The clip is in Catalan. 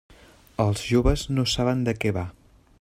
Els joves no saben de què va.